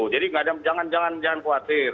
jadi jangan jangan khawatir